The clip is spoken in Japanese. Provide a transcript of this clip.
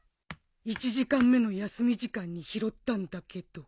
１時間目の休み時間に拾ったんだけど。